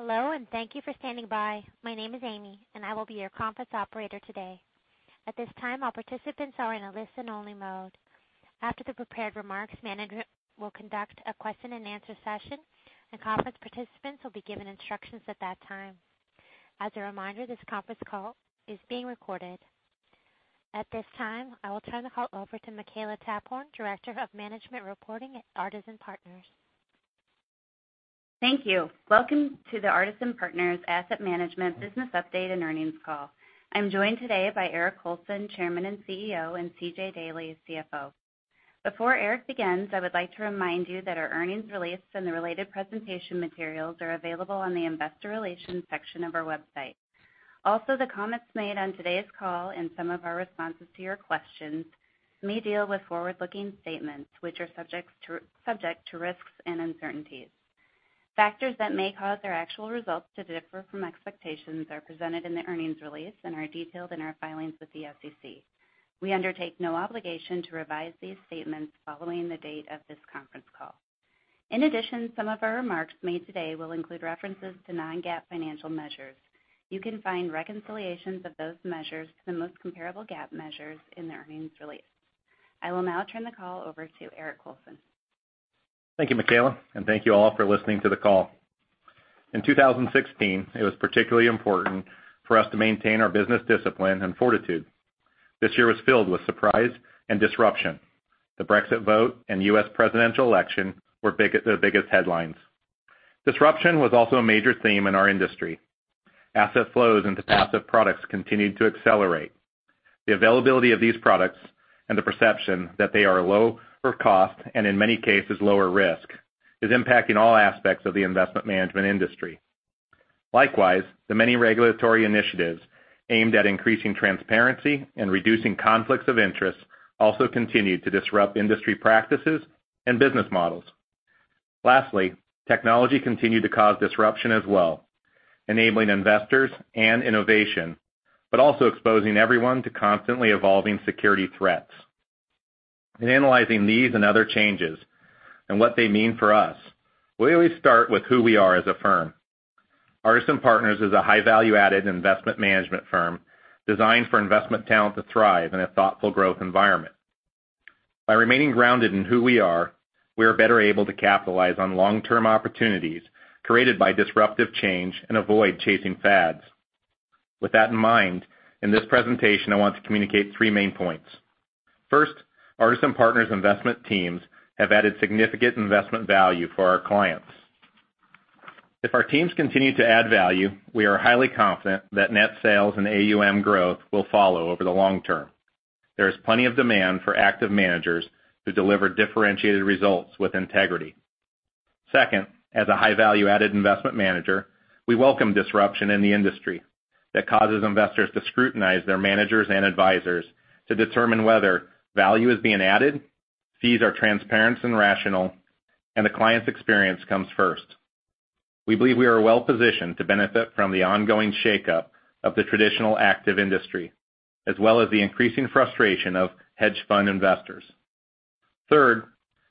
Hello, and thank you for standing by. My name is Amy, and I will be your conference operator today. At this time, all participants are in a listen only mode. After the prepared remarks, management will conduct a question and answer session, and conference participants will be given instructions at that time. As a reminder, this conference call is being recorded. At this time, I will turn the call over to Makela Taphorn, Director of Management Reporting at Artisan Partners. Thank you. Welcome to the Artisan Partners Asset Management business update and earnings call. I am joined today by Eric Colson, Chairman and CEO, and C.J. Daley, CFO. Before Eric begins, I would like to remind you that our earnings release and the related presentation materials are available on the investor relations section of our website. The comments made on today's call and some of our responses to your questions may deal with forward-looking statements, which are subject to risks and uncertainties. Factors that may cause our actual results to differ from expectations are presented in the earnings release and are detailed in our filings with the SEC. We undertake no obligation to revise these statements following the date of this conference call. Some of our remarks made today will include references to non-GAAP financial measures. You can find reconciliations of those measures to the most comparable GAAP measures in the earnings release. I will now turn the call over to Eric Colson. Thank you, Makela, and thank you all for listening to the call. In 2016, it was particularly important for us to maintain our business discipline and fortitude. This year was filled with surprise and disruption. The Brexit vote and U.S. presidential election were the biggest headlines. Disruption was also a major theme in our industry. Asset flows into passive products continued to accelerate. The availability of these products and the perception that they are lower cost, and in many cases lower risk, is impacting all aspects of the investment management industry. The many regulatory initiatives aimed at increasing transparency and reducing conflicts of interest also continued to disrupt industry practices and business models. Technology continued to cause disruption as well, enabling investors and innovation, but also exposing everyone to constantly evolving security threats. In analyzing these and other changes and what they mean for us, we always start with who we are as a firm. Artisan Partners is a high value-added investment management firm designed for investment talent to thrive in a thoughtful growth environment. By remaining grounded in who we are, we are better able to capitalize on long-term opportunities created by disruptive change and avoid chasing fads. With that in mind, in this presentation, I want to communicate three main points. First, Artisan Partners investment teams have added significant investment value for our clients. If our teams continue to add value, we are highly confident that net sales and AUM growth will follow over the long term. There is plenty of demand for active managers to deliver differentiated results with integrity. As a high value-added investment manager, we welcome disruption in the industry that causes investors to scrutinize their managers and advisors to determine whether value is being added, fees are transparent and rational, and the client's experience comes first.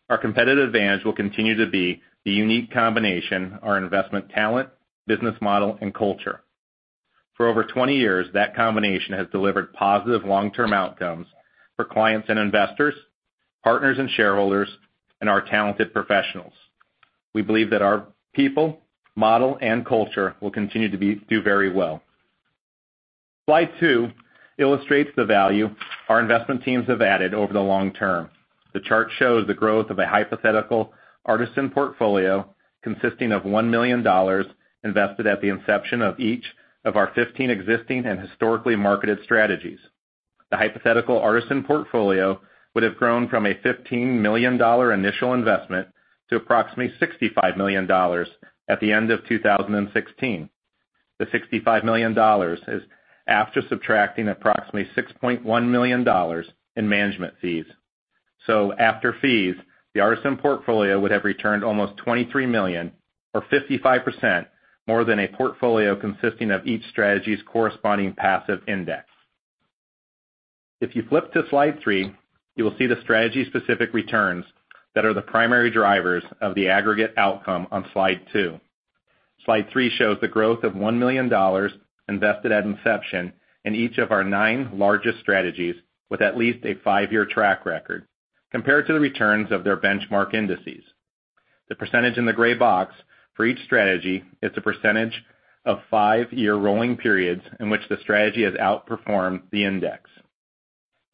Our competitive advantage will continue to be the unique combination, our investment talent, business model and culture. For over 20 years, that combination has delivered positive long-term outcomes for clients and investors, partners and shareholders, and our talented professionals. We believe that our people, model and culture will continue to do very well. Slide two illustrates the value our investment teams have added over the long term. The chart shows the growth of a hypothetical Artisan portfolio consisting of $1 million invested at the inception of each of our 15 existing and historically marketed strategies. The hypothetical Artisan portfolio would have grown from a $15 million initial investment to approximately $65 million at the end of 2016. The $65 million is after subtracting approximately $6.1 million in management fees. After fees, the Artisan portfolio would have returned almost $23 million or 55% more than a portfolio consisting of each strategy's corresponding passive index. If you flip to slide three, you will see the strategy specific returns that are the primary drivers of the aggregate outcome on slide two. Slide three shows the growth of $1 million invested at inception in each of our nine largest strategies with at least a five-year track record, compared to the returns of their benchmark indices. The percentage in the gray box for each strategy is the percentage of five-year rolling periods in which the strategy has outperformed the index.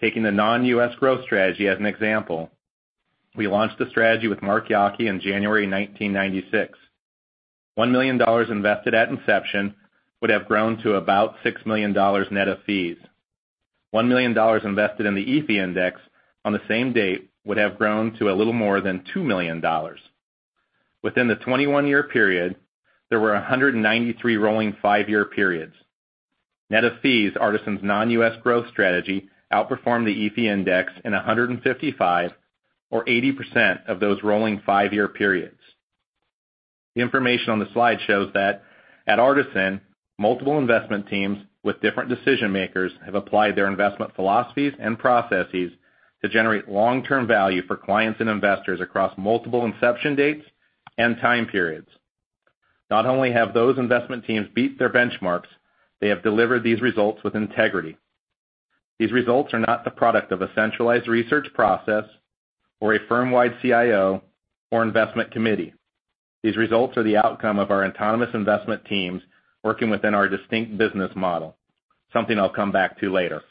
Taking the non-U.S. growth strategy as an example, we launched the strategy with Mark Yockey in January 1996. $1 million invested at inception would have grown to about $6 million net of fees. $1 million invested in the EAFE index on the same date would have grown to a little more than $2 million. Within the 21-year period, there were 193 rolling five-year periods. Net of fees, Artisan's non-U.S. growth strategy outperformed the EAFE index in 155 or 80% of those rolling five-year periods. The information on the slide shows that at Artisan multiple investment teams with different decision makers have applied their investment philosophies and processes to generate long-term value for clients and investors across multiple inception dates and time periods. Not only have those investment teams beat their benchmarks, they have delivered these results with integrity. These results are not the product of a centralized research process or a firm-wide CIO or investment committee. These results are the outcome of our autonomous investment teams working within our distinct business model, something I'll come back to later.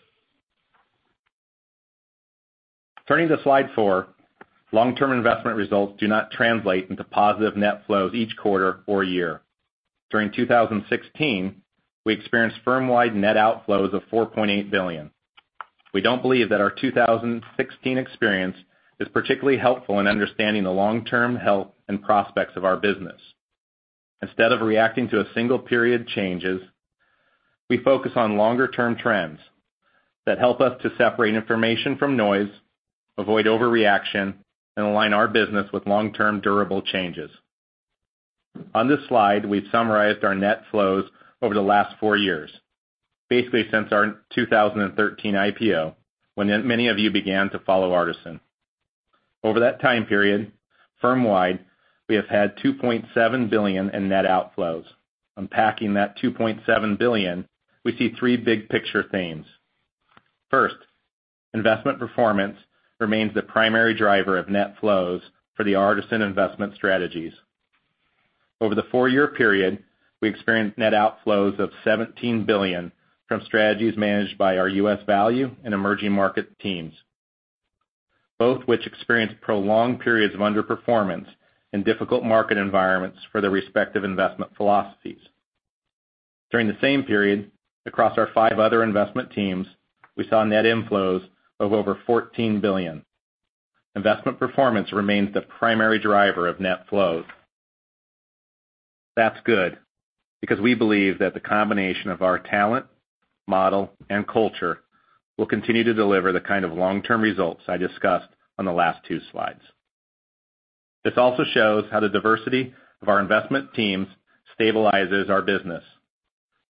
Turning to slide four, long-term investment results do not translate into positive net flows each quarter or year. During 2016, we experienced firm-wide net outflows of $4.8 billion. We don't believe that our 2016 experience is particularly helpful in understanding the long-term health and prospects of our business. Instead of reacting to a single period changes, we focus on longer-term trends that help us to separate information from noise, avoid overreaction, and align our business with long-term durable changes. On this slide, we've summarized our net flows over the last four years, basically since our 2013 IPO, when many of you began to follow Artisan. Over that time period, firm-wide, we have had $2.7 billion in net outflows. Unpacking that $2.7 billion, we see three big picture themes. First, investment performance remains the primary driver of net flows for the Artisan investment strategies. Over the four-year period, we experienced net outflows of $17 billion from strategies managed by our U.S. value and emerging market teams, both which experienced prolonged periods of underperformance in difficult market environments for their respective investment philosophies. During the same period, across our five other investment teams, we saw net inflows of over $14 billion. Investment performance remains the primary driver of net flows. That's good because we believe that the combination of our talent, model, and culture will continue to deliver the kind of long-term results I discussed on the last two slides. This also shows how the diversity of our investment teams stabilizes our business.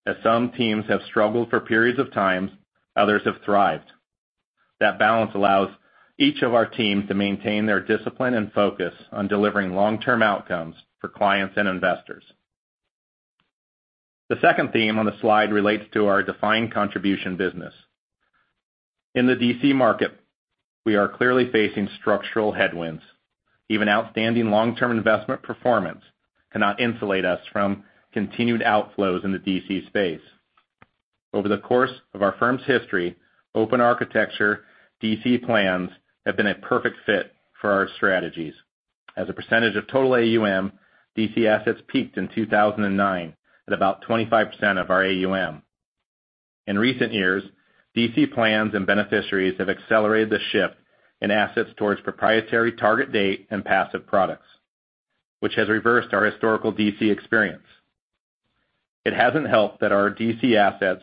As some teams have struggled for periods of times, others have thrived. That balance allows each of our teams to maintain their discipline and focus on delivering long-term outcomes for clients and investors. The second theme on the slide relates to our defined contribution business. In the DC market, we are clearly facing structural headwinds. Even outstanding long-term investment performance cannot insulate us from continued outflows in the DC space. Over the course of our firm's history, open architecture DC plans have been a perfect fit for our strategies. As a percentage of total AUM, DC assets peaked in 2009 at about 25% of our AUM. In recent years, DC plans and beneficiaries have accelerated the shift in assets towards proprietary target date and passive products, which has reversed our historical DC experience. It hasn't helped that our DC assets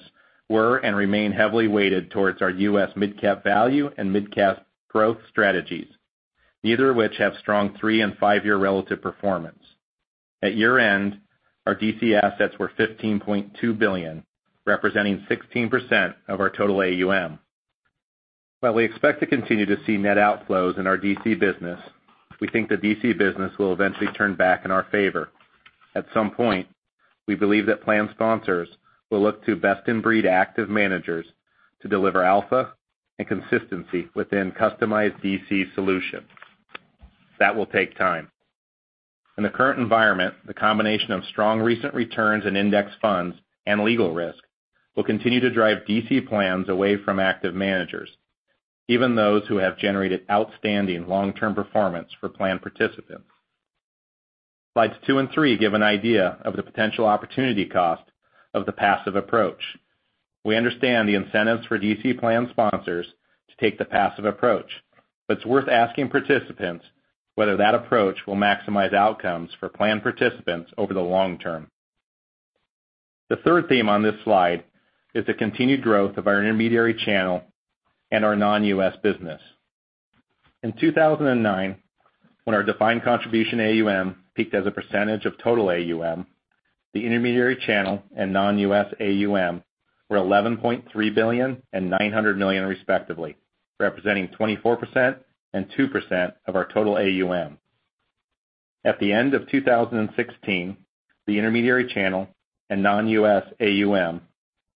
were and remain heavily weighted towards our U.S. midcap value and midcap growth strategies, neither of which have strong three and five-year relative performance. At year-end, our DC assets were $15.2 billion, representing 16% of our total AUM. While we expect to continue to see net outflows in our DC business, we think the DC business will eventually turn back in our favor. At some point, we believe that plan sponsors will look to best-in-breed active managers to deliver alpha and consistency within customized DC solutions. That will take time. In the current environment, the combination of strong recent returns in index funds and legal risk will continue to drive DC plans away from active managers, even those who have generated outstanding long-term performance for plan participants. Slides two and three give an idea of the potential opportunity cost of the passive approach. We understand the incentives for DC plan sponsors to take the passive approach, but it's worth asking participants whether that approach will maximize outcomes for plan participants over the long term. The third theme on this slide is the continued growth of our intermediary channel and our non-U.S. business. In 2009, when our defined contribution AUM peaked as a percentage of total AUM, the intermediary channel and non-U.S. AUM were $11.3 billion and $900 million respectively, representing 24% and 2% of our total AUM. At the end of 2016, the intermediary channel and non-U.S. AUM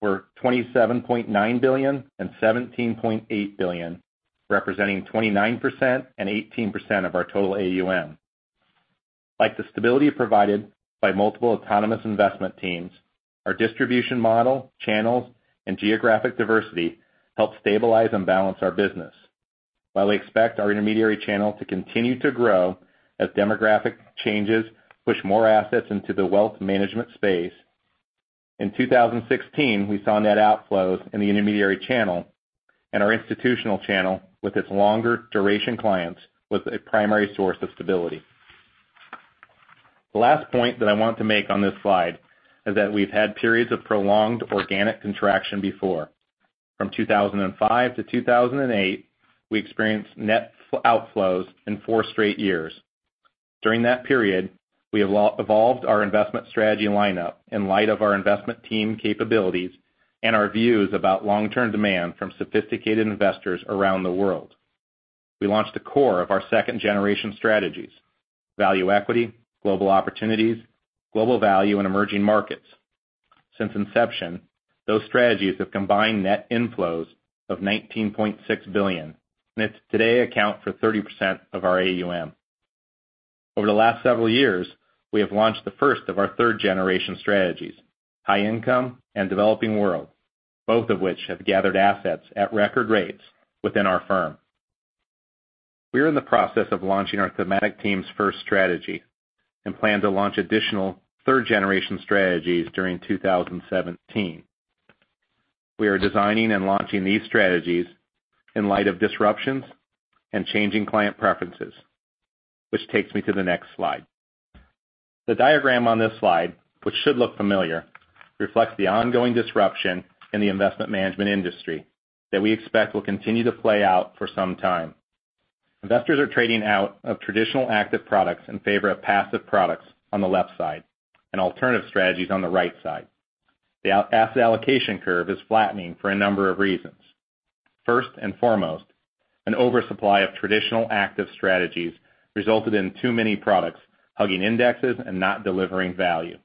were $27.9 billion and $17.8 billion, representing 29% and 18% of our total AUM. Like the stability provided by multiple autonomous investment teams, our distribution model, channels, and geographic diversity help stabilize and balance our business. While we expect our intermediary channel to continue to grow as demographic changes push more assets into the wealth management space, in 2016, we saw net outflows in the intermediary channel and our institutional channel with its longer duration clients was a primary source of stability. The last point that I want to make on this slide is that we've had periods of prolonged organic contraction before. From 2005 to 2008, we experienced net outflows in four straight years. During that period, we have evolved our investment strategy lineup in light of our investment team capabilities and our views about long-term demand from sophisticated investors around the world. We launched the core of our second-generation strategies, value equity, global opportunities, global value, and emerging markets. Since inception, those strategies have combined net inflows of $19.6 billion and today account for 30% of our AUM. Over the last several years, we have launched the first of our third-generation strategies, high income and developing world, both of which have gathered assets at record rates within our firm. We are in the process of launching our Thematic team's first strategy and plan to launch additional third-generation strategies during 2017. We are designing and launching these strategies in light of disruptions and changing client preferences, which takes me to the next slide. The diagram on this slide, which should look familiar, reflects the ongoing disruption in the investment management industry that we expect will continue to play out for some time. Investors are trading out of traditional active products in favor of passive products on the left side and alternative strategies on the right side. The asset allocation curve is flattening for a number of reasons. First and foremost, an oversupply of traditional active strategies resulted in too many products hugging indexes and not delivering value.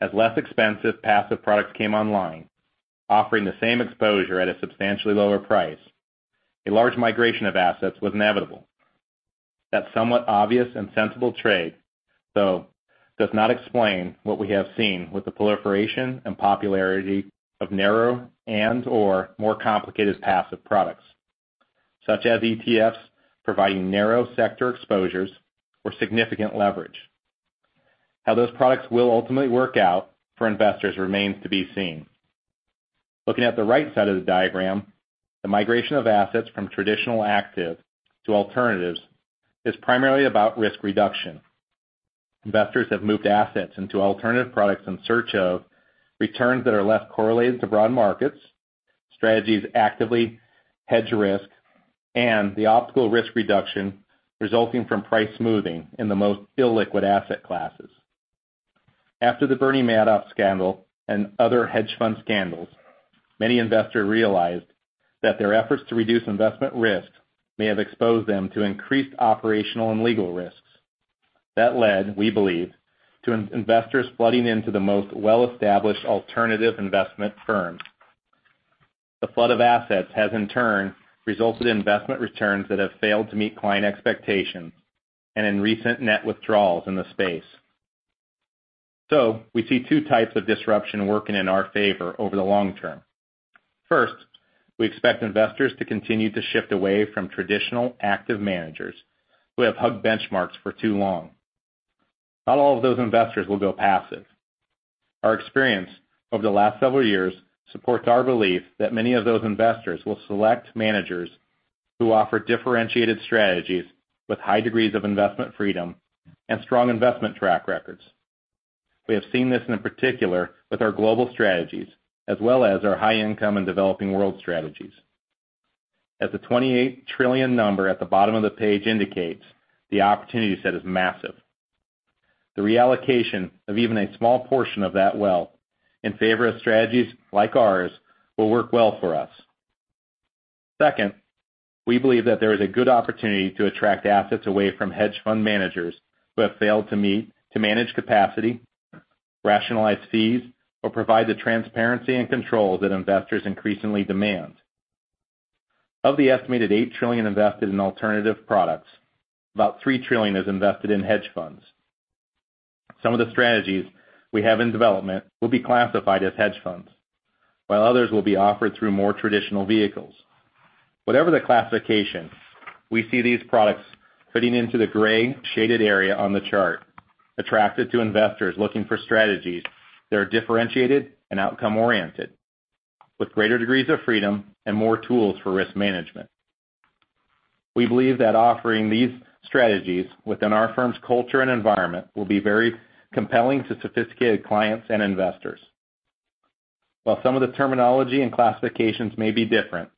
As less expensive passive products came online, offering the same exposure at a substantially lower price, a large migration of assets was inevitable. That somewhat obvious and sensible trade, though, does not explain what we have seen with the proliferation and popularity of narrow and/or more complicated passive products, such as ETFs providing narrow sector exposures or significant leverage. How those products will ultimately work out for investors remains to be seen. Looking at the right side of the diagram, the migration of assets from traditional active to alternatives is primarily about risk reduction. Investors have moved assets into alternative products in search of returns that are less correlated to broad markets, strategies actively hedge risk, and the optical risk reduction resulting from price smoothing in the most illiquid asset classes. After the Bernie Madoff scandal and other hedge fund scandals, many investors realized that their efforts to reduce investment risk may have exposed them to increased operational and legal risks. That led, we believe, to investors flooding into the most well-established alternative investment firms. The flood of assets has in turn resulted in investment returns that have failed to meet client expectations and in recent net withdrawals in the space. We see 2 types of disruption working in our favor over the long term. First, we expect investors to continue to shift away from traditional active managers who have hugged benchmarks for too long. Not all of those investors will go passive. Our experience over the last several years supports our belief that many of those investors will select managers who offer differentiated strategies with high degrees of investment freedom and strong investment track records. We have seen this in particular with our global strategies as well as our high income and developing world strategies. As the $28 trillion number at the bottom of the page indicates, the opportunity set is massive. The reallocation of even a small portion of that wealth in favor of strategies like ours will work well for us. Second, we believe that there is a good opportunity to attract assets away from hedge fund managers who have failed to manage capacity, rationalize fees, or provide the transparency and control that investors increasingly demand. Of the estimated $8 trillion invested in alternative products, about $3 trillion is invested in hedge funds. Some of the strategies we have in development will be classified as hedge funds, while others will be offered through more traditional vehicles. Whatever the classification, we see these products fitting into the gray shaded area on the chart, attractive to investors looking for strategies that are differentiated and outcome-oriented, with greater degrees of freedom and more tools for risk management. We believe that offering these strategies within our firm's culture and environment will be very compelling to sophisticated clients and investors. While some of the terminology and classifications may be different,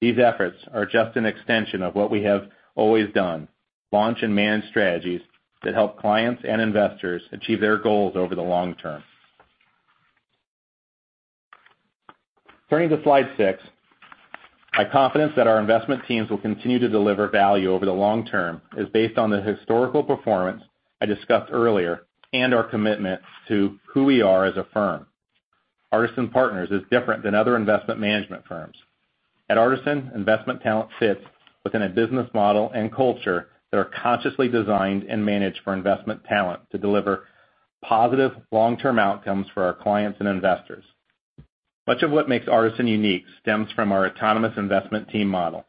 these efforts are just an extension of what we have always done, launch and manage strategies that help clients and investors achieve their goals over the long term. Turning to slide six, my confidence that our investment teams will continue to deliver value over the long term is based on the historical performance I discussed earlier and our commitment to who we are as a firm. Artisan Partners is different than other investment management firms. At Artisan, investment talent sits within a business model and culture that are consciously designed and managed for investment talent to deliver positive long-term outcomes for our clients and investors. Much of what makes Artisan unique stems from our autonomous investment team model.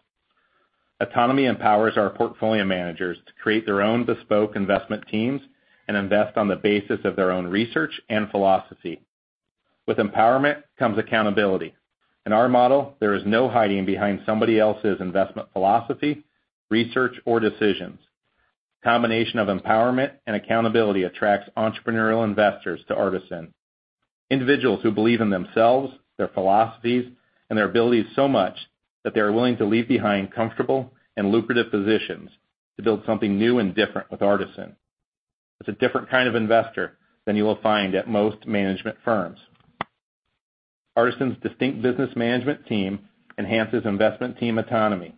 Autonomy empowers our portfolio managers to create their own bespoke investment teams and invest on the basis of their own research and philosophy. With empowerment comes accountability. In our model, there is no hiding behind somebody else's investment philosophy, research, or decisions. The combination of empowerment and accountability attracts entrepreneurial investors to Artisan. Individuals who believe in themselves, their philosophies, and their abilities so much that they are willing to leave behind comfortable and lucrative positions to build something new and different with Artisan. It's a different kind of investor than you will find at most management firms. Artisan's distinct business management team enhances investment team autonomy.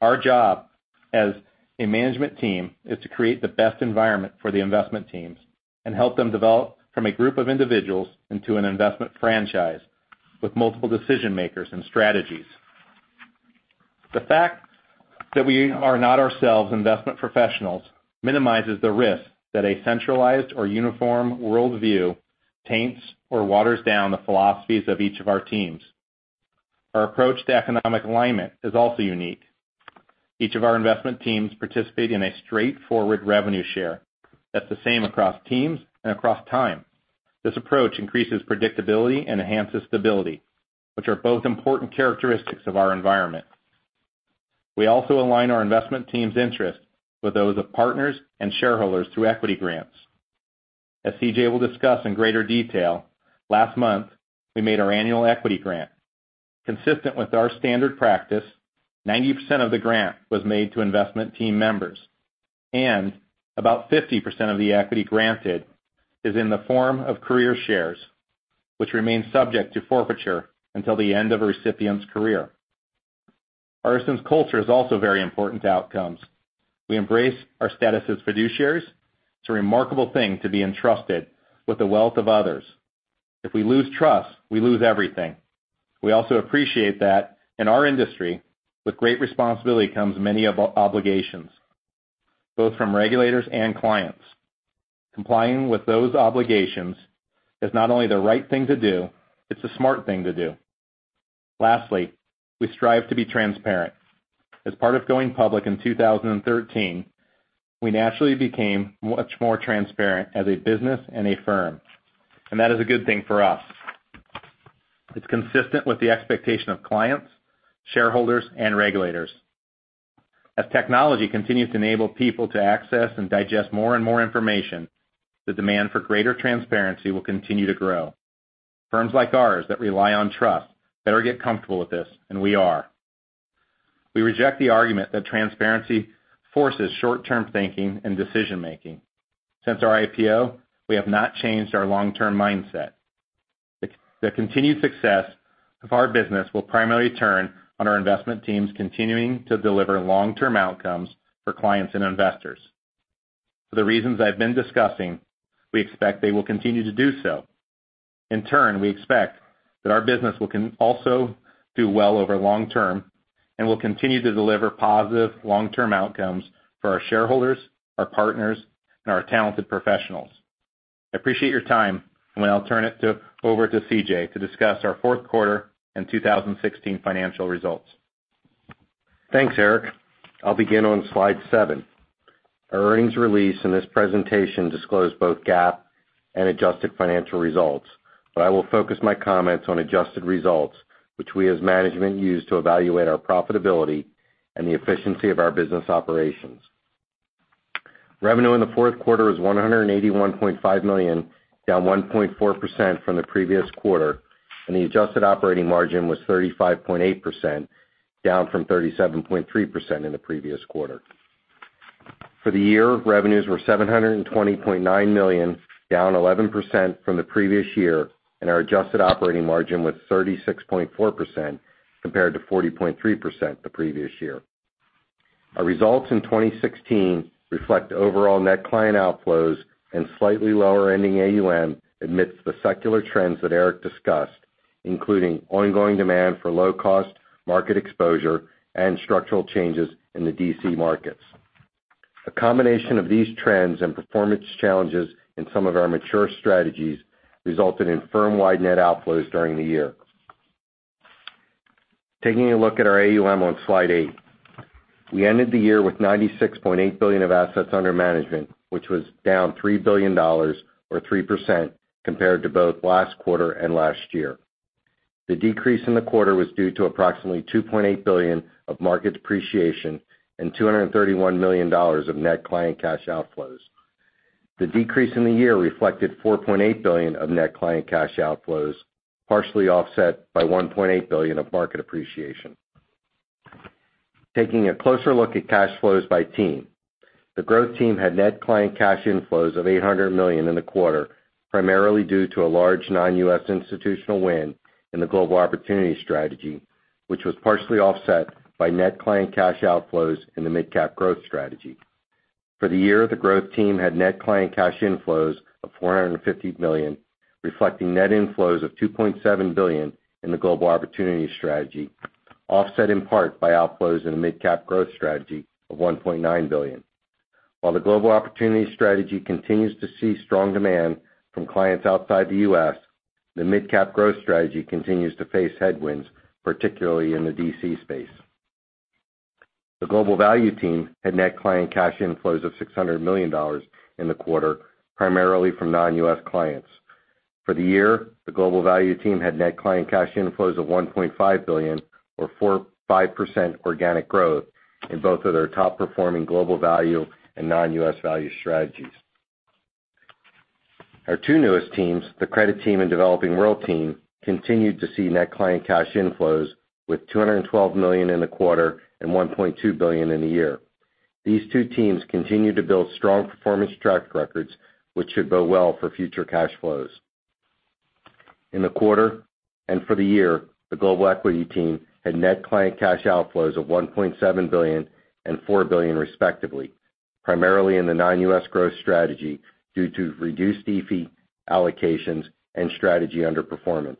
Our job as a management team is to create the best environment for the investment teams and help them develop from a group of individuals into an investment franchise with multiple decision-makers and strategies. The fact that we are not ourselves investment professionals minimizes the risk that a centralized or uniform worldview taints or waters down the philosophies of each of our teams. Our approach to economic alignment is also unique. Each of our investment teams participate in a straightforward revenue share that's the same across teams and across time. This approach increases predictability and enhances stability, which are both important characteristics of our environment. We also align our investment team's interest with those of partners and shareholders through equity grants. As C.J. will discuss in greater detail, last month, we made our annual equity grant. Consistent with our standard practice, 90% of the grant was made to investment team members, and about 50% of the equity granted is in the form of career shares, which remain subject to forfeiture until the end of a recipient's career. Artisan's culture is also very important to outcomes. We embrace our status as fiduciaries. It's a remarkable thing to be entrusted with the wealth of others. If we lose trust, we lose everything. We also appreciate that in our industry, with great responsibility comes many obligations, both from regulators and clients. Complying with those obligations is not only the right thing to do, it's the smart thing to do. Lastly, we strive to be transparent. As part of going public in 2013, we naturally became much more transparent as a business and a firm. That is a good thing for us. It's consistent with the expectation of clients, shareholders, and regulators. As technology continues to enable people to access and digest more and more information, the demand for greater transparency will continue to grow. Firms like ours that rely on trust better get comfortable with this, and we are. We reject the argument that transparency forces short-term thinking and decision-making. Since our IPO, we have not changed our long-term mindset. The continued success of our business will primarily turn on our investment teams continuing to deliver long-term outcomes for clients and investors. For the reasons I've been discussing, we expect they will continue to do so. In turn, we expect that our business will also do well over long term and will continue to deliver positive long-term outcomes for our shareholders, our partners, and our talented professionals. I appreciate your time. I'll turn it over to C.J. to discuss our fourth quarter and 2016 financial results. Thanks, Eric. I'll begin on slide seven. Our earnings release in this presentation disclose both GAAP and adjusted financial results. I will focus my comments on adjusted results, which we as management use to evaluate our profitability and the efficiency of our business operations. Revenue in the fourth quarter is $181.5 million, down 1.4% from the previous quarter. The adjusted operating margin was 35.8%, down from 37.3% in the previous quarter. For the year, revenues were $720.9 million, down 11% from the previous year. Our adjusted operating margin was 36.4% compared to 40.3% the previous year. Our results in 2016 reflect overall net client outflows and slightly lower ending AUM amidst the secular trends that Eric discussed, including ongoing demand for low-cost market exposure and structural changes in the D.C. markets. A combination of these trends and performance challenges in some of our mature strategies resulted in firm-wide net outflows during the year. Taking a look at our AUM on slide eight. We ended the year with $96.8 billion of assets under management, which was down $3 billion, or 3%, compared to both last quarter and last year. The decrease in the quarter was due to approximately $2.8 billion of market depreciation and $231 million of net client cash outflows. The decrease in the year reflected $4.8 billion of net client cash outflows, partially offset by $1.8 billion of market appreciation. Taking a closer look at cash flows by team. The growth team had net client cash inflows of $800 million in the quarter, primarily due to a large non-U.S. institutional win in the global opportunity strategy, which was partially offset by net client cash outflows in the mid-cap growth strategy. For the year, the growth team had net client cash inflows of $450 million, reflecting net inflows of $2.7 billion in the global opportunity strategy, offset in part by outflows in the mid-cap growth strategy of $1.9 billion. While the global opportunity strategy continues to see strong demand from clients outside the U.S., the mid-cap growth strategy continues to face headwinds, particularly in the D.C. space. The global value team had net client cash inflows of $600 million in the quarter, primarily from non-U.S. clients. For the year, the global value team had net client cash inflows of $1.5 billion, or 4.5% organic growth in both of their top performing global value and non-U.S. value strategies. Our two newest teams, the credit team and developing world team, continued to see net client cash inflows with $212 million in the quarter and $1.2 billion in the year. These two teams continue to build strong performance track records, which should bode well for future cash flows. In the quarter and for the year, the global equity team had net client cash outflows of $1.7 billion and $4 billion respectively, primarily in the non-U.S. growth strategy due to reduced fee allocations and strategy underperformance.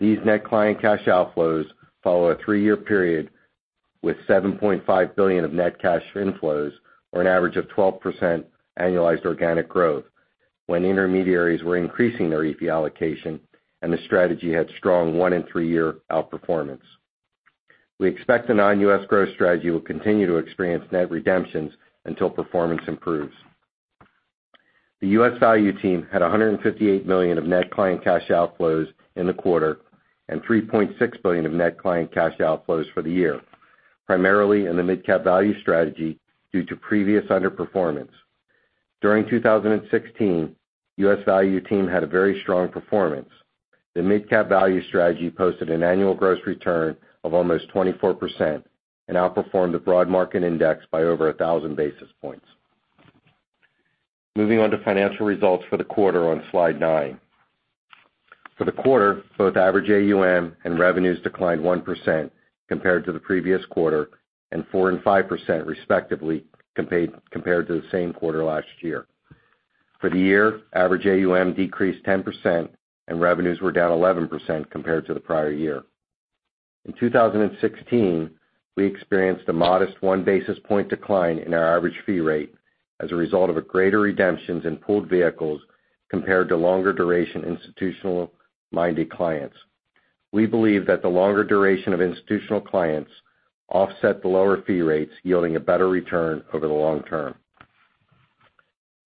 These net client cash outflows follow a three-year period with $7.5 billion of net cash inflows or an average of 12% annualized organic growth when intermediaries were increasing their fee allocation and the strategy had strong one and three year outperformance. We expect the non-U.S. growth strategy will continue to experience net redemptions until performance improves. The U.S. value team had $158 million of net client cash outflows in the quarter, and $3.6 billion of net client cash outflows for the year, primarily in the mid-cap value strategy due to previous underperformance. During 2016, U.S. value team had a very strong performance. The mid-cap value strategy posted an annual gross return of almost 24% and outperformed the broad market index by over 1,000 basis points. Moving on to financial results for the quarter on slide nine. For the quarter, both average AUM and revenues declined 1% compared to the previous quarter and 4% and 5% respectively, compared to the same quarter last year. For the year, average AUM decreased 10% and revenues were down 11% compared to the prior year. In 2016, we experienced a modest one basis point decline in our average fee rate as a result of a greater redemptions in pooled vehicles compared to longer duration institutional-minded clients. We believe that the longer duration of institutional clients offset the lower fee rates, yielding a better return over the long term.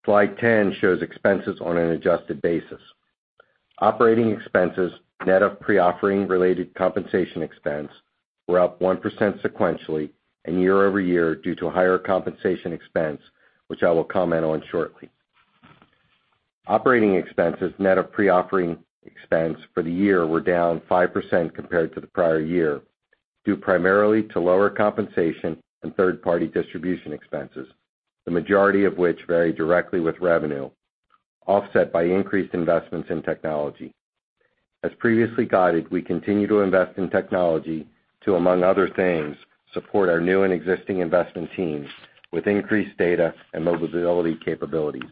Slide 10 shows expenses on an adjusted basis. Operating expenses, net of pre-offering related compensation expense, were up 1% sequentially and year-over-year due to higher compensation expense, which I will comment on shortly. Operating expenses net of pre-offering expense for the year were down 5% compared to the prior year, due primarily to lower compensation and third-party distribution expenses, the majority of which vary directly with revenue, offset by increased investments in technology. As previously guided, we continue to invest in technology to, among other things, support our new and existing investment teams with increased data and mobility capabilities.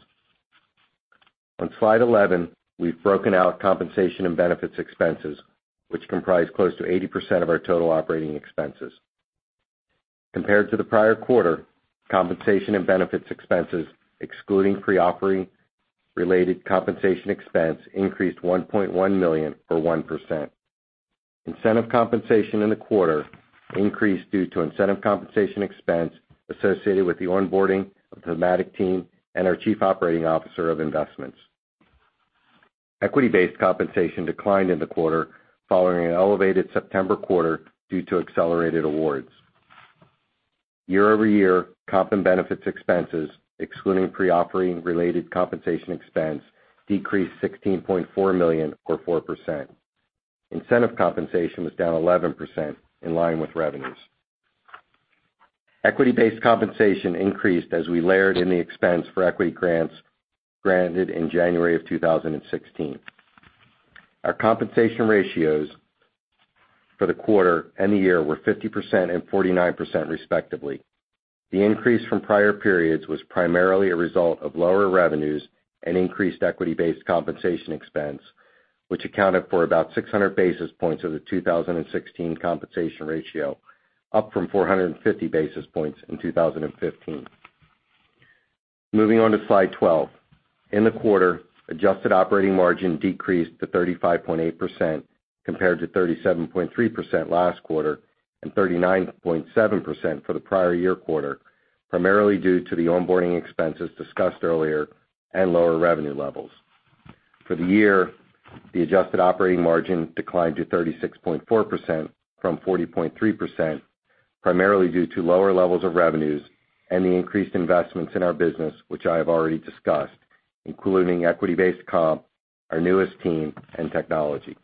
On slide 11, we've broken out compensation and benefits expenses, which comprise close to 80% of our total operating expenses. Compared to the prior quarter, compensation and benefits expenses, excluding pre-offering related compensation expense, increased $1.1 million or 1%. Incentive compensation in the quarter increased due to incentive compensation expense associated with the onboarding of the Thematic team and our Chief Operating Officer of Investments. Equity-based compensation declined in the quarter following an elevated September quarter due to accelerated awards. Year-over-year, comp and benefits expenses, excluding pre-offering related compensation expense, decreased $16.4 million or 4%. Incentive compensation was down 11%, in line with revenues. Equity-based compensation increased as we layered in the expense for equity grants granted in January 2016. Our compensation ratios for the quarter and the year were 50% and 49%, respectively. The increase from prior periods was primarily a result of lower revenues and increased equity-based compensation expense, which accounted for about 600 basis points of the 2016 compensation ratio, up from 450 basis points in 2015. Moving on to slide 12. In the quarter, adjusted operating margin decreased to 35.8% compared to 37.3% last quarter and 39.7% for the prior year quarter, primarily due to the onboarding expenses discussed earlier and lower revenue levels. For the year, the adjusted operating margin declined to 36.4% from 40.3%, primarily due to lower levels of revenues and the increased investments in our business, which I have already discussed, including equity-based comp, our newest team, and technology.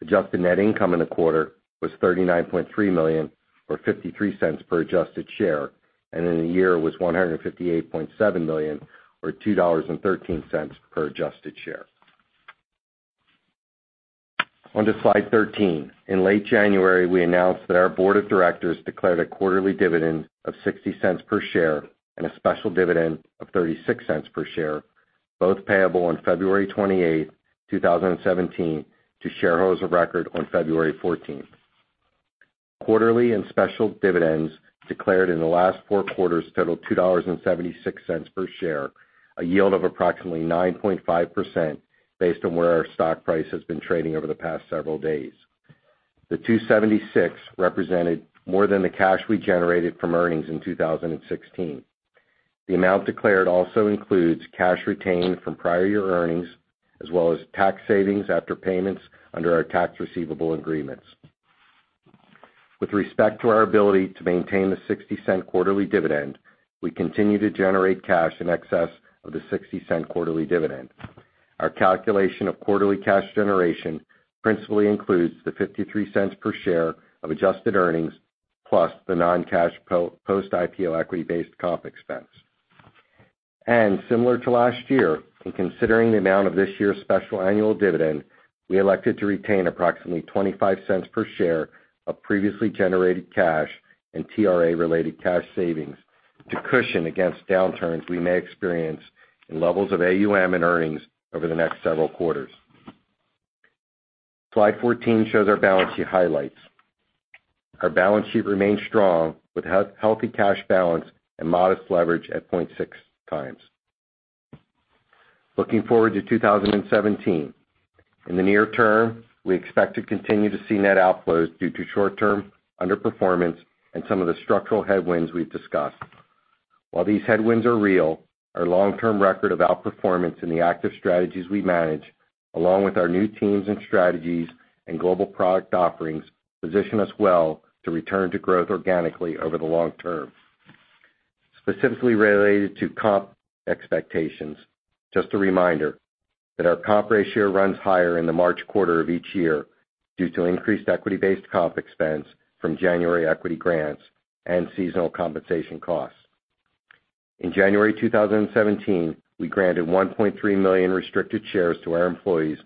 Adjusted net income in the quarter was $39.3 million, or $0.53 per adjusted share, and in the year was $158.7 million or $2.13 per adjusted share. On to slide 13. In late January, we announced that our board of directors declared a quarterly dividend of $0.60 per share and a special dividend of $0.36 per share, both payable on February 28th, 2017 to shareholders of record on February 14th. Quarterly and special dividends declared in the last four quarters totaled $2.76 per share, a yield of approximately 9.5% based on where our stock price has been trading over the past several days. The $2.76 represented more than the cash we generated from earnings in 2016. The amount declared also includes cash retained from prior year earnings, as well as tax savings after payments under our tax receivable agreements. With respect to our ability to maintain the $0.60 quarterly dividend, we continue to generate cash in excess of the $0.60 quarterly dividend. Our calculation of quarterly cash generation principally includes the $0.53 per share of adjusted earnings, plus the non-cash post IPO equity-based comp expense. Similar to last year, in considering the amount of this year's special annual dividend, we elected to retain approximately $0.25 per share of previously generated cash and TRA related cash savings to cushion against downturns we may experience in levels of AUM and earnings over the next several quarters. Slide 14 shows our balance sheet highlights. Our balance sheet remains strong with healthy cash balance and modest leverage at 0.6 times. Looking forward to 2017. In the near term, we expect to continue to see net outflows due to short-term underperformance and some of the structural headwinds we've discussed. While these headwinds are real, our long-term record of outperformance in the active strategies we manage, along with our new teams and strategies and global product offerings, position us well to return to growth organically over the long term. Specifically related to comp expectations, just a reminder that our comp ratio runs higher in the March quarter of each year due to increased equity-based comp expense from January equity grants and seasonal compensation costs. In January 2017, we granted 1.3 million restricted shares to our employees,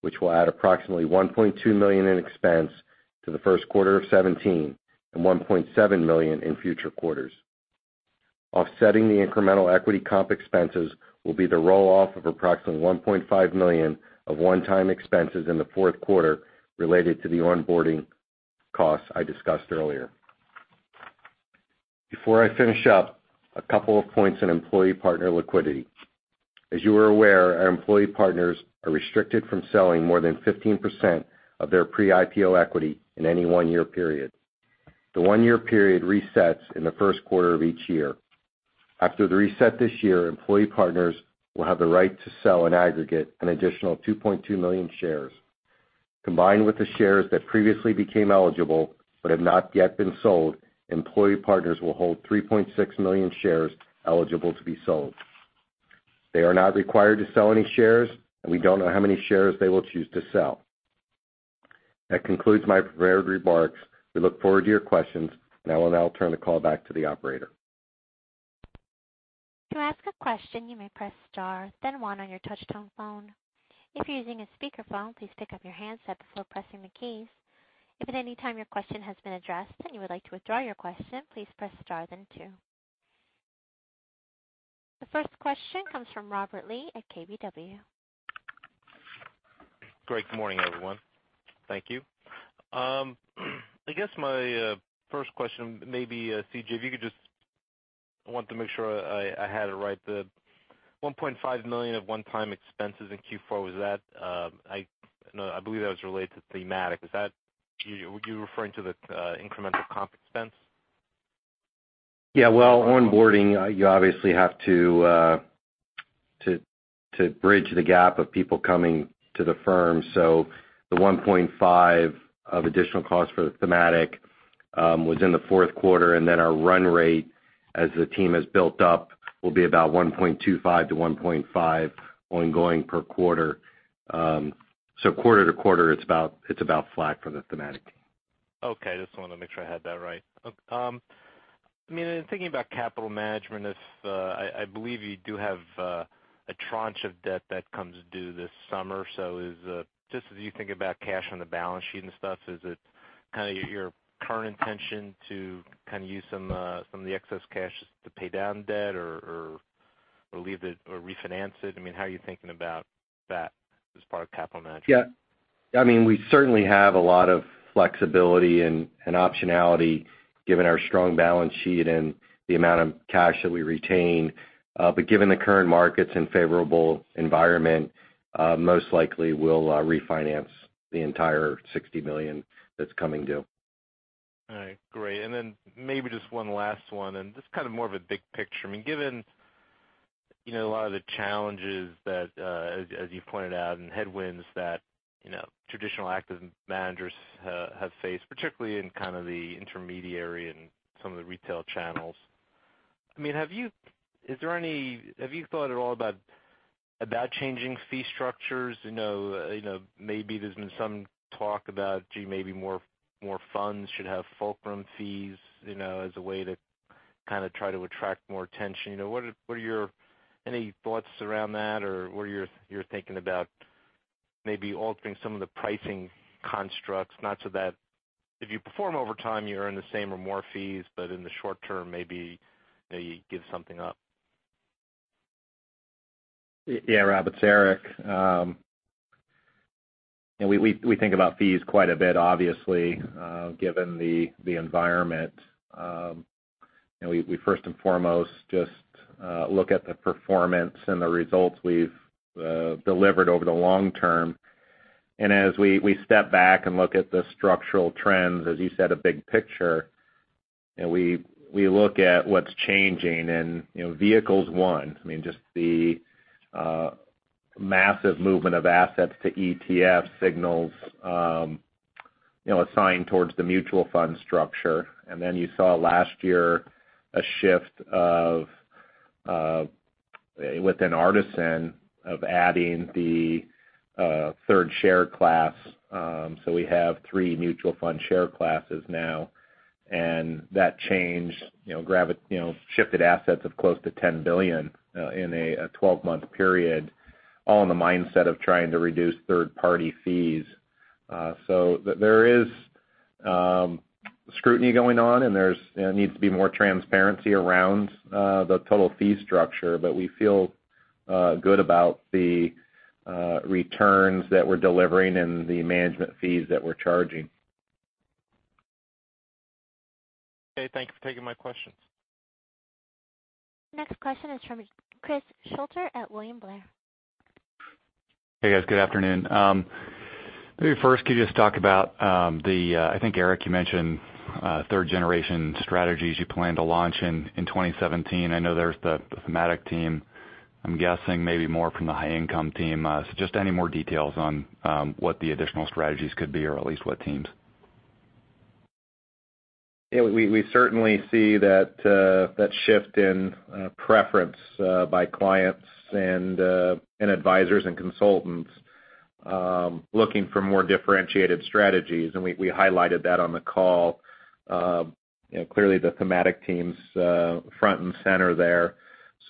which will add approximately $1.2 million in expense to the first quarter of 2017, and $1.7 million in future quarters. Offsetting the incremental equity comp expenses will be the roll-off of approximately $1.5 million of one-time expenses in the fourth quarter related to the onboarding costs I discussed earlier. Before I finish up, a couple of points on employee partner liquidity. As you are aware, our employee partners are restricted from selling more than 15% of their pre-IPO equity in any one-year period. The one-year period resets in the first quarter of each year. After the reset this year, employee partners will have the right to sell, in aggregate, an additional 2.2 million shares. Combined with the shares that previously became eligible but have not yet been sold, employee partners will hold 3.6 million shares eligible to be sold. They are not required to sell any shares, and we don't know how many shares they will choose to sell. That concludes my prepared remarks. We look forward to your questions. I will now turn the call back to the operator. To ask a question, you may press star then one on your touch tone phone. If you're using a speakerphone, please pick up your handset before pressing the keys. If at any time your question has been addressed and you would like to withdraw your question, please press star then two. The first question comes from Robert Lee at KBW. Great. Good morning, everyone. Thank you. I guess my first question maybe, C.J., if you could I wanted to make sure I had it right. The $1.5 million of one-time expenses in Q4, I believe that was related to Thematic. Were you referring to the incremental comp expense? Yeah. Well, onboarding, you obviously have to bridge the gap of people coming to the firm. The $1.5 of additional cost for Thematic was in the fourth quarter, our run rate as the team has built up will be about $1.25 to $1.5 ongoing per quarter. Quarter to quarter, it's about flat for Thematic. Okay. Just wanted to make sure I had that right. Thinking about capital management, I believe you do have a tranche of debt that comes due this summer. Just as you think about cash on the balance sheet and stuff, is it your current intention to use some of the excess cash to pay down debt or refinance it? How are you thinking about that as part of capital management? Yeah. We certainly have a lot of flexibility and optionality given our strong balance sheet and the amount of cash that we retain. Given the current markets and favorable environment, most likely we'll refinance the entire $60 million that's coming due. All right, great. Maybe just one last one, more of a big picture. Given a lot of the challenges that, as you pointed out, and headwinds that traditional active managers have faced, particularly in the intermediary and some of the retail channels, have you thought at all about changing fee structures? There's been some talk about maybe more funds should have fulcrum fees as a way to try to attract more attention. Any thoughts around that, or were you thinking about maybe altering some of the pricing constructs? Not so that if you perform over time, you earn the same or more fees, but in the short term, maybe you give something up. Yeah, Robert, it's Eric. We think about fees quite a bit, obviously given the environment. We first and foremost just look at the performance and the results we've delivered over the long term. As we step back and look at the structural trends, as you said, a big picture, we look at what's changing in vehicles, one, just the massive movement of assets to ETF signals a sign towards the mutual fund structure. You saw last year a shift within Artisan of adding the third share class. We have three mutual fund share classes now, and that change shifted assets of close to $10 billion in a 12-month period, all in the mindset of trying to reduce third-party fees. There is scrutiny going on, and there needs to be more transparency around the total fee structure. We feel good about the returns that we're delivering and the management fees that we're charging. Okay. Thank you for taking my questions. Next question is from Chris Shutler at William Blair. Hey, guys. Good afternoon. Maybe first, could you just talk about the, I think, Eric, you mentioned third-generation strategies you plan to launch in 2017. I know there's the Thematic team. I'm guessing maybe more from the high income team. Just any more details on what the additional strategies could be or at least what teams. Yeah. We certainly see that shift in preference by clients and advisers and consultants looking for more differentiated strategies. We highlighted that on the call. Clearly the Thematic team's front and center there.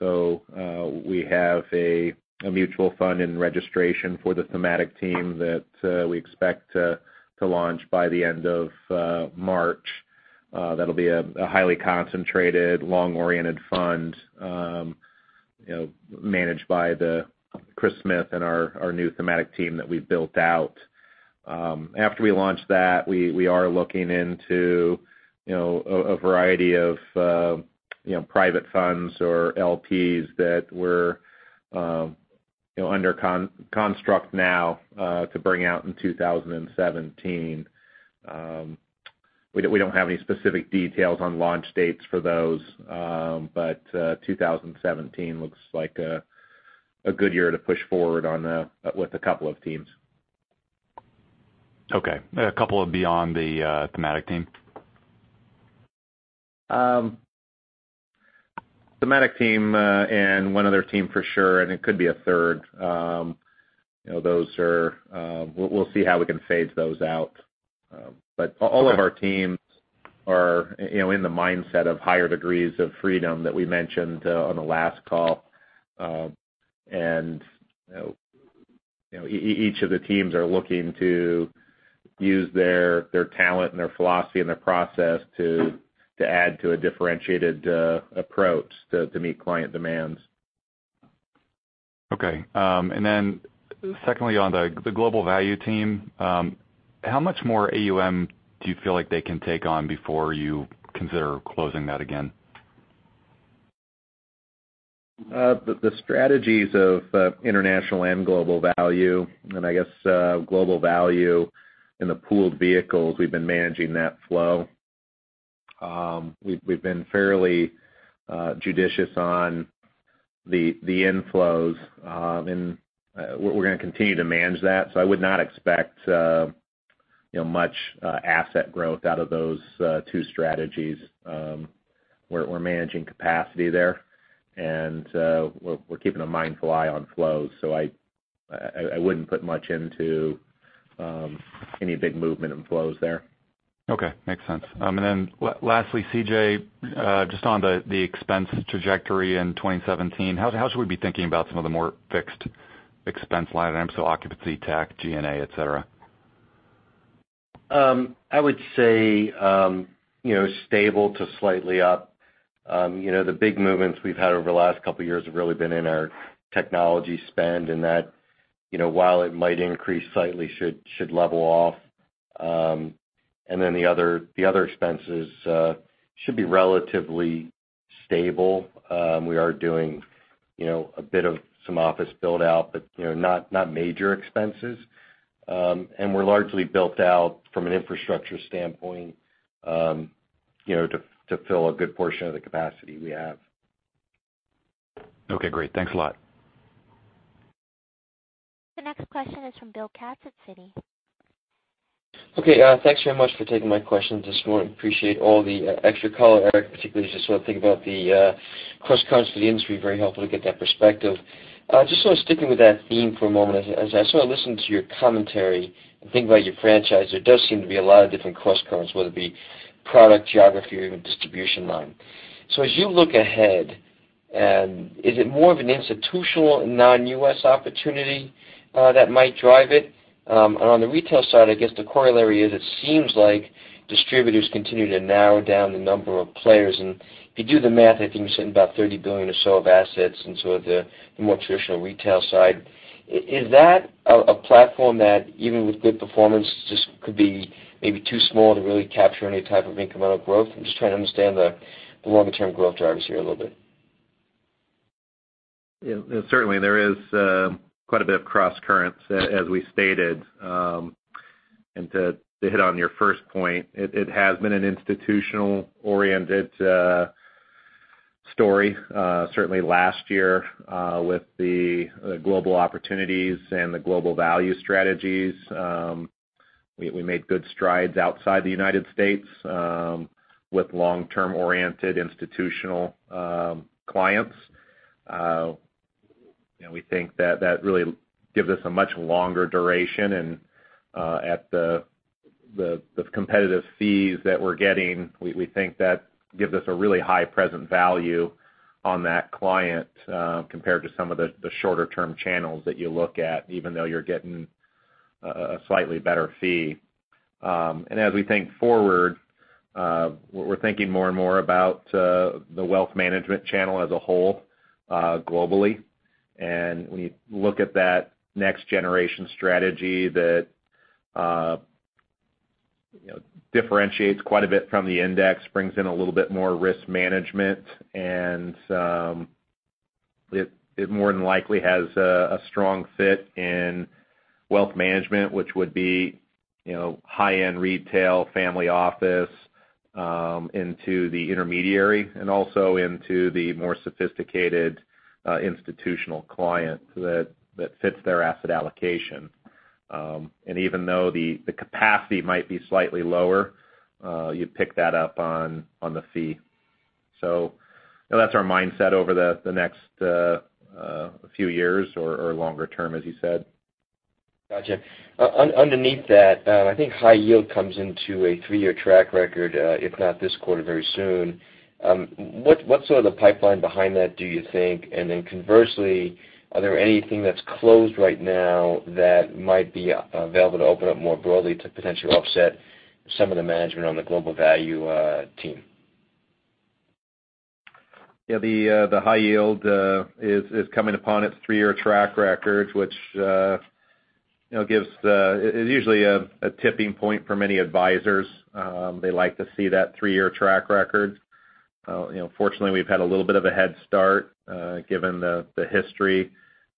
We have a mutual fund in registration for the Thematic team that we expect to launch by the end of March. That'll be a highly concentrated, long-oriented fund managed by Christopher Smith and our new Thematic team that we've built out. After we launch that, we are looking into a variety of private funds or LPs that were under construct now to bring out in 2017. We don't have any specific details on launch dates for those. 2017 looks like a good year to push forward with a couple of teams. Okay. A couple beyond the Thematic team? Thematic team and one other team for sure, it could be a third. We'll see how we can phase those out. All of our teams are in the mindset of higher degrees of freedom that we mentioned on the last call. Each of the teams are looking to use their talent and their philosophy and their process to add to a differentiated approach to meet client demands. Okay. Then secondly, on the global value team, how much more AUM do you feel like they can take on before you consider closing that again? The strategies of international and global value, I guess global value in the pooled vehicles, we've been managing that flow. We've been fairly judicious on the inflows. We're going to continue to manage that. I would not expect much asset growth out of those two strategies. We're managing capacity there, we're keeping a mindful eye on flows. I wouldn't put much into any big movement in flows there. Okay. Makes sense. Lastly, C.J., just on the expense trajectory in 2017, how should we be thinking about some of the more fixed expense line items, so occupancy, tech, G&A, et cetera? I would say stable to slightly up. The big movements we've had over the last couple of years have really been in our technology spend, and that, while it might increase slightly, should level off. The other expenses should be relatively stable. We are doing a bit of some office build out, but not major expenses. We're largely built out from an infrastructure standpoint to fill a good portion of the capacity we have. Okay, great. Thanks a lot. The next question is from Bill Katz at Citi. thanks very much for taking my questions this morning. Appreciate all the extra color, Eric, particularly just when I think about the cross currents for the industry. Very helpful to get that perspective. Just sort of sticking with that theme for a moment. As I sort of listen to your commentary and think about your franchise, there does seem to be a lot of different cross currents, whether it be product, geography, or even distribution line. As you look ahead, is it more of an institutional and non-U.S. opportunity that might drive it? On the retail side, I guess the corollary is it seems like distributors continue to narrow down the number of players. If you do the math, I think you're sitting about $30 billion or so of assets in sort of the more traditional retail side. Is that a platform that, even with good performance, just could be maybe too small to really capture any type of incremental growth? I'm just trying to understand the longer-term growth drivers here a little bit. Certainly, there is quite a bit of cross currents, as we stated. To hit on your first point, it has been an institutional-oriented story. Certainly last year, with the global opportunities and the global value strategies, we made good strides outside the U.S. with long-term oriented institutional clients. We think that really gives us a much longer duration. At the competitive fees that we're getting, we think that gives us a really high present value on that client compared to some of the shorter-term channels that you look at, even though you're getting a slightly better fee. As we think forward, we're thinking more and more about the wealth management channel as a whole globally. We look at that next-generation strategy that differentiates quite a bit from the index, brings in a little bit more risk management, and it more than likely has a strong fit in wealth management, which would be high-end retail family office into the intermediary and also into the more sophisticated institutional client that fits their asset allocation. Even though the capacity might be slightly lower, you'd pick that up on the fee. That's our mindset over the next few years or longer term, as you said. Gotcha. Underneath that, I think high yield comes into a three-year track record if not this quarter, very soon. What sort of the pipeline behind that do you think? Conversely, are there anything that's closed right now that might be available to open up more broadly to potentially offset some of the management on the global value team? Yeah. The high yield is coming upon its three-year track record. It's usually a tipping point for many advisors. They like to see that three-year track record. Fortunately, we've had a little bit of a head start given the history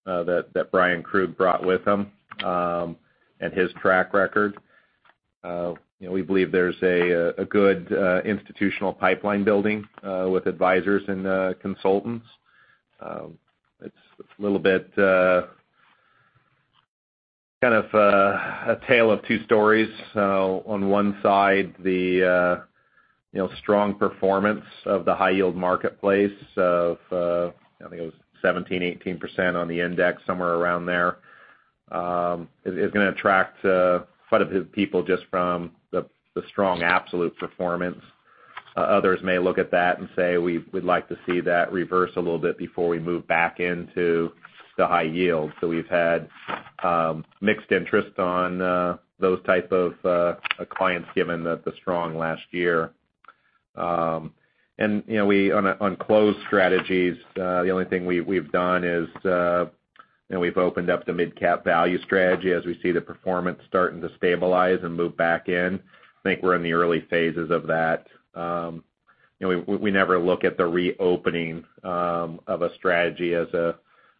that Bryan Krug brought with him and his track record. We believe there's a good institutional pipeline building with advisors and consultants. It's a little bit kind of a tale of two stories. On one side, the strong performance of the high-yield marketplace of, I think it was 17%-18% on the index, somewhere around there, is going to attract quite a few people just from the strong absolute performance. Others may look at that and say, "We'd like to see that reverse a little bit before we move back into the high yield." We've had mixed interest on those type of clients, given the strong last year. On closed strategies, the only thing we've done is we've opened up the mid-cap value strategy as we see the performance starting to stabilize and move back in. I think we're in the early phases of that. We never look at the reopening of a strategy as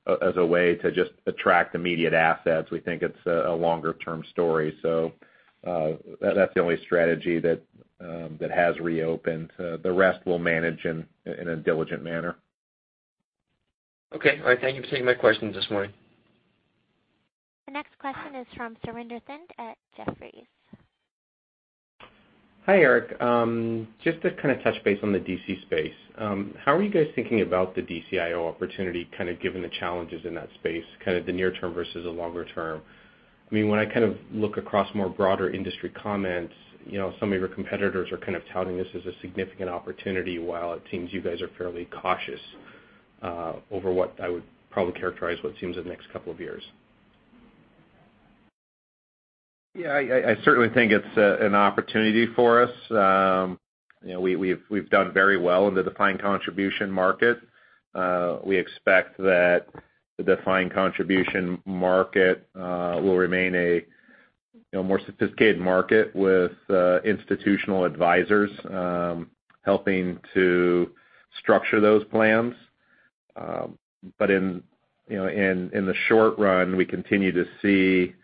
a way to just attract immediate assets. We think it's a longer-term story. That's the only strategy that has reopened. The rest we'll manage in a diligent manner. Okay. All right. Thank you for taking my questions this morning. The next question is from Surinder Thind at Jefferies. Hi, Eric. Just to kind of touch base on the DC space. How are you guys thinking about the DCIO opportunity, kind of given the challenges in that space, kind of the near term versus the longer term? When I look across more broader industry comments, some of your competitors are kind of touting this as a significant opportunity, while it seems you guys are fairly cautious over what I would probably characterize what seems the next couple of years. Yeah. I certainly think it's an opportunity for us. We've done very well in the defined contribution market. We expect that the defined contribution market will remain a more sophisticated market with institutional advisors helping to structure those plans. In the short run, we continue to see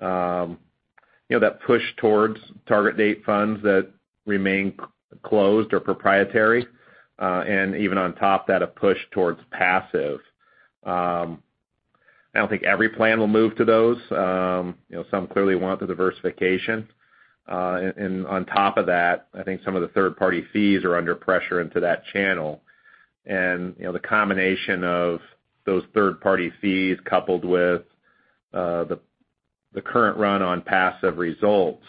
that push towards target date funds that remain closed or proprietary. Even on top, that a push towards passive. I don't think every plan will move to those. Some clearly want the diversification. On top of that, I think some of the third-party fees are under pressure into that channel. The combination of those third-party fees coupled with the current run on passive results,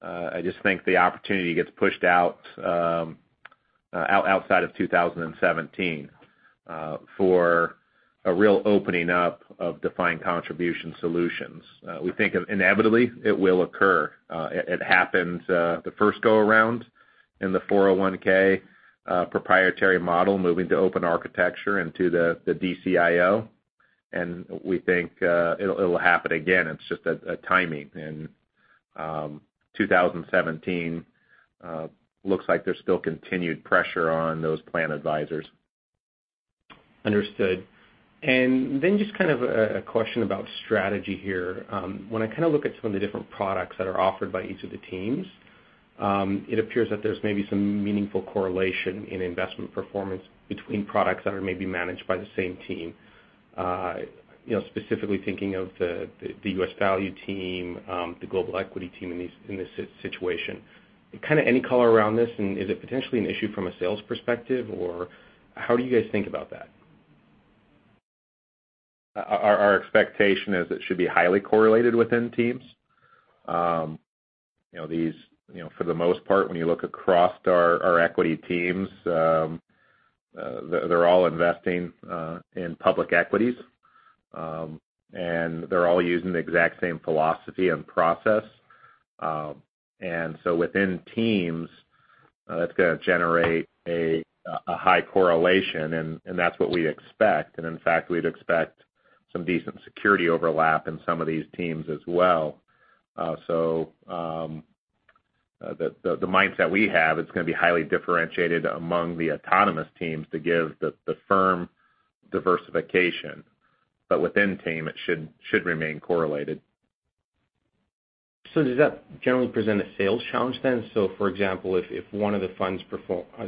I just think the opportunity gets pushed out outside of 2017 for a real opening up of defined contribution solutions. We think inevitably it will occur. It happened the first go-around in the 401 proprietary model, moving to open architecture into the DCIO. We think it'll happen again. It's just a timing. 2017 looks like there's still continued pressure on those plan advisors. Understood. Then just a question about strategy here. When I look at some of the different products that are offered by each of the teams, it appears that there's maybe some meaningful correlation in investment performance between products that are maybe managed by the same team. Specifically thinking of the U.S. value team, the global equity team in this situation. Any color around this, is it potentially an issue from a sales perspective, or how do you guys think about that? Our expectation is it should be highly correlated within teams. For the most part, when you look across our equity teams, they're all investing in public equities, and they're all using the exact same philosophy and process. Within teams, that's going to generate a high correlation, and that's what we expect. In fact, we'd expect some decent security overlap in some of these teams as well. The mindset we have, it's going to be highly differentiated among the autonomous teams to give the firm diversification. Within team, it should remain correlated. Does that generally present a sales challenge then? For example, if one of the funds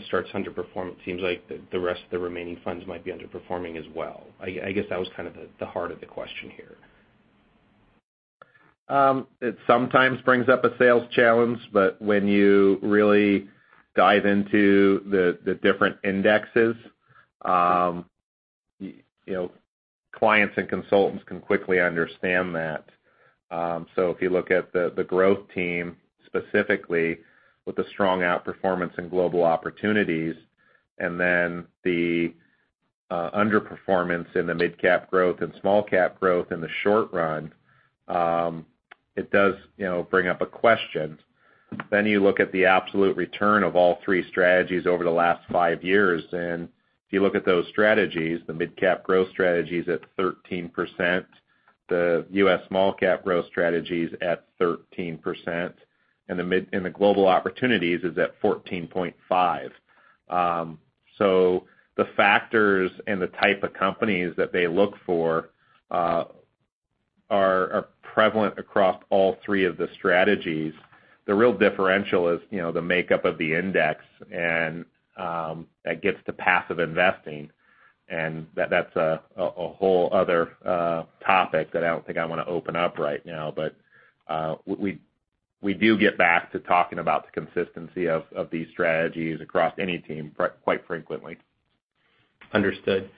starts underperforming, it seems like the rest of the remaining funds might be underperforming as well. I guess that was the heart of the question here. It sometimes brings up a sales challenge, when you really dive into the different indexes, clients and consultants can quickly understand that. If you look at the growth team specifically with the strong outperformance in global opportunities, the underperformance in the mid-cap growth and small-cap growth in the short run, it does bring up a question. You look at the absolute return of all three strategies over the last five years, if you look at those strategies, the mid-cap growth strategy is at 13%, the U.S. small-cap growth strategy is at 13%, and the global opportunities is at 14.5%. The factors and the type of companies that they look for are prevalent across all three of the strategies. The real differential is the makeup of the index, that gets to passive investing, that's a whole other topic that I don't think I want to open up right now. We do get back to talking about the consistency of these strategies across any team quite frequently. Understood.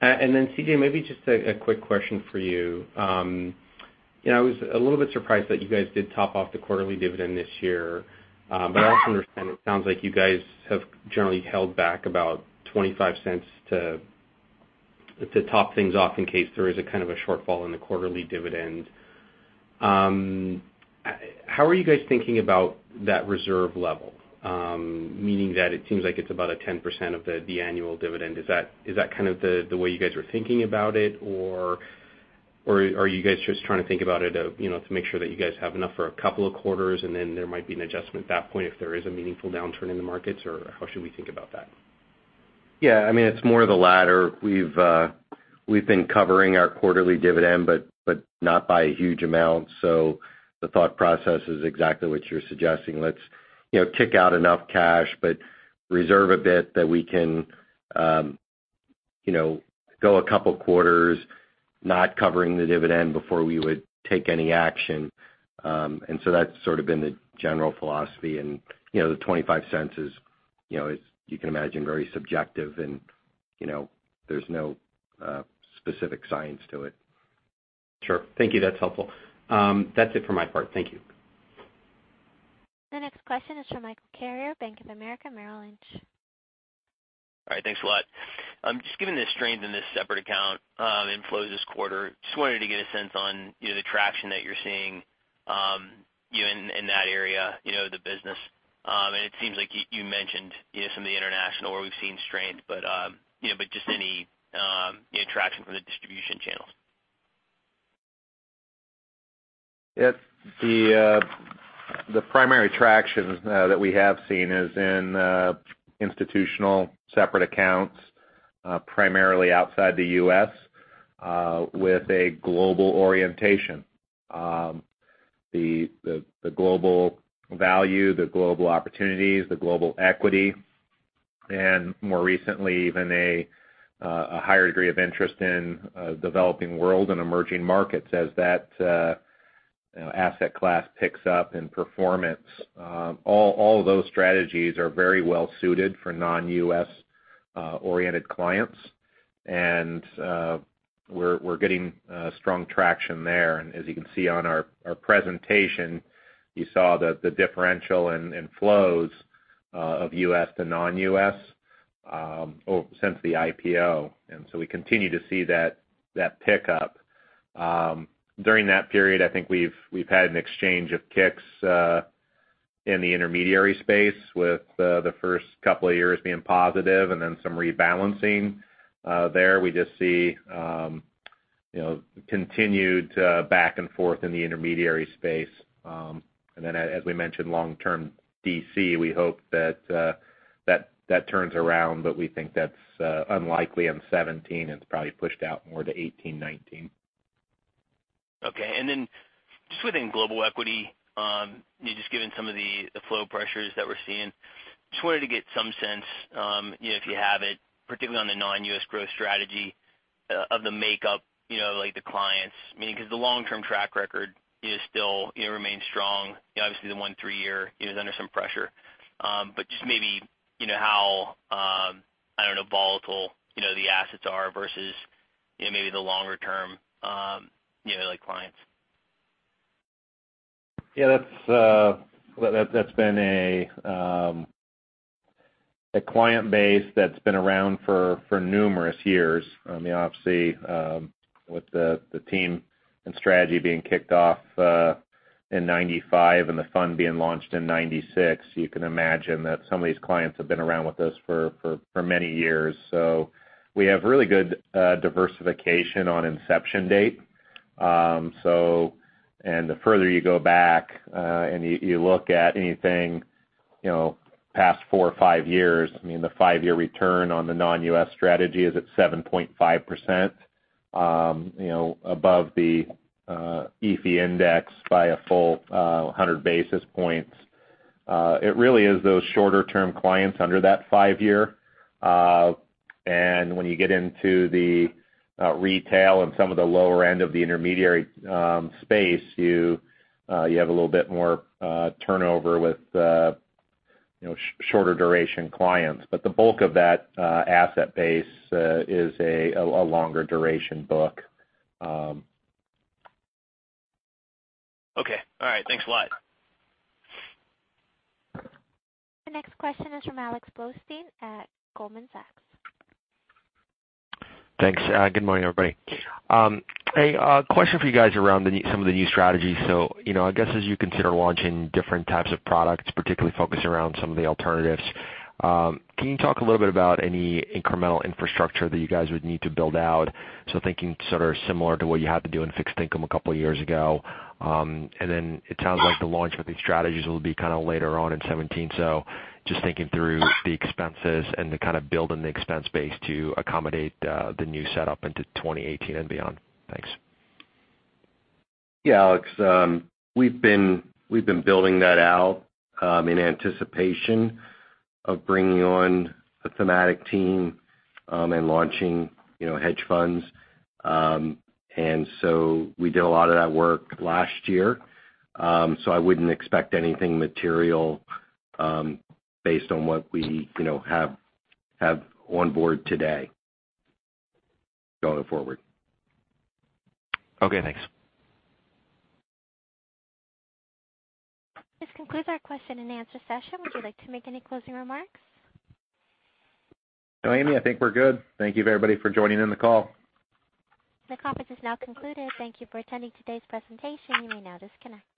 C.J., maybe just a quick question for you. I was a little bit surprised that you guys did top off the quarterly dividend this year. I also understand it sounds like you guys have generally held back about $0.25 to top things off in case there is a shortfall in the quarterly dividend. How are you guys thinking about that reserve level? Meaning that it seems like it's about a 10% of the annual dividend. Is that the way you guys are thinking about it, or are you guys just trying to think about it to make sure that you guys have enough for a couple of quarters, then there might be an adjustment at that point if there is a meaningful downturn in the markets, or how should we think about that? Yeah. It's more of the latter. We've been covering our quarterly dividend, but not by a huge amount. The thought process is exactly what you're suggesting. Let's take out enough cash, but reserve a bit that we can go a couple of quarters not covering the dividend before we would take any action. That's sort of been the general philosophy. The $0.25 is, as you can imagine, very subjective and there's no specific science to it. Sure. Thank you. That's helpful. That's it for my part. Thank you. The next question is from Michael Carrier, Bank of America Merrill Lynch. All right. Thanks a lot. Just given the strength in the separate account inflows this quarter, just wanted to get a sense on the traction that you're seeing in that area of the business. It seems like you mentioned some of the international where we've seen strength, just any traction from the distribution channels. Yeah. The primary traction that we have seen is in institutional separate accounts, primarily outside the U.S., with a global orientation. The global value, the global opportunities, the global equity, and more recently, even a higher degree of interest in developing world and emerging markets as that asset class picks up in performance. All of those strategies are very well suited for non-U.S.-oriented clients. We're getting strong traction there. As you can see on our presentation, you saw the differential in flows of U.S. to non-U.S. since the IPO. So we continue to see that pick up. During that period, I think we've had an exchange of kicks in the intermediary space with the first couple of years being positive and then some rebalancing. There, we just see continued back and forth in the intermediary space. As we mentioned, long-term DC, we hope that turns around, we think that's unlikely in 2017. It's probably pushed out more to 2018, 2019. Okay. Just within global equity, just given some of the flow pressures that we're seeing, just wanted to get some sense, if you have it, particularly on the non-U.S. growth strategy of the makeup, like the clients. The long-term track record still remains strong. Obviously, the one three year is under some pressure. Just maybe, how volatile the assets are versus maybe the longer term clients. Yeah, that's been a client base that's been around for numerous years. Obviously, with the team and strategy being kicked off in 1995 and the fund being launched in 1996, you can imagine that some of these clients have been around with us for many years. We have really good diversification on inception date. The further you go back, and you look at anything, past four or five years, the five-year return on the non-U.S. strategy is at 7.5%, above the EAFE index by a full 100 basis points. It really is those shorter-term clients under that five year. When you get into the retail and some of the lower end of the intermediary space, you have a little bit more turnover with shorter duration clients. The bulk of that asset base is a longer duration book. Okay. All right. Thanks a lot. The next question is from Alex Blostein at Goldman Sachs. Thanks. Good morning, everybody. A question for you guys around some of the new strategies. I guess as you consider launching different types of products, particularly focused around some of the alternatives, can you talk a little bit about any incremental infrastructure that you guys would need to build out? Thinking sort of similar to what you had to do in fixed income a couple of years ago. It sounds like the launch for these strategies will be later on in 2017. Just thinking through the expenses and the kind of build in the expense base to accommodate the new setup into 2018 and beyond. Thanks. Yeah, Alex. We've been building that out in anticipation of bringing on the Thematic team, and launching hedge funds. We did a lot of that work last year. I wouldn't expect anything material based on what we have on board today going forward. Okay, thanks. This concludes our question and answer session. Would you like to make any closing remarks? No, Amy, I think we're good. Thank you everybody for joining in the call. The conference is now concluded. Thank you for attending today's presentation. You may now disconnect.